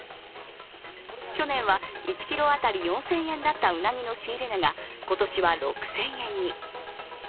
去年は１ｋｇ当たり４０００円だったうなぎの仕入れ値が今年は６０００円に。